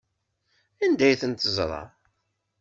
Anda ay tent-teẓra?